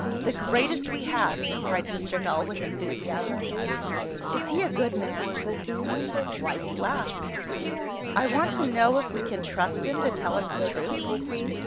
"The greatest we have!" cried Mr. Null with enthusiasm. "Is he a good man?" "Why do you ask?" "I want to know if we can trust him to tell us the truth?"